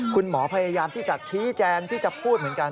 คุณหมอพยายามที่จะชี้แจงที่จะพูดเหมือนกัน